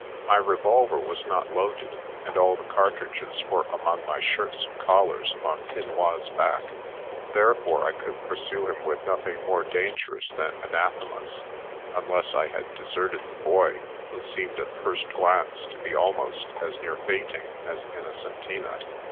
My revolver was not loaded, and all the cartridges were among my shirts and collars, on Finois' back, therefore I could pursue him with nothing more dangerous than an athemas, unless I had deserted the boy, who seemed at first glance to be abnost as near fainting as In nocentina.